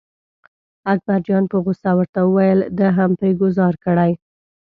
اکبرجان په غوسه ورته وویل ده هم پرې ګوزار کړی.